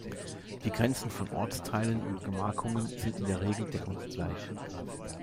Die Grenzen von Ortsteilen und Gemarkungen sind in der Regel deckungsgleich.